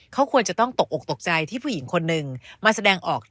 เขาควรจะต้องตกอกตกใจที่ผู้หญิงคนหนึ่งมาแสดงออก